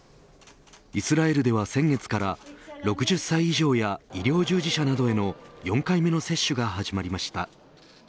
イスラエルでは、先月から６０歳以上や医療従事者などへの４回目の接種が始まりました。